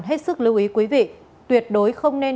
hết sức lưu ý quý vị tuyệt đối không nên